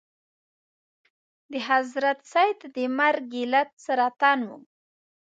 د حضرت سید د مرګ علت سرطان و.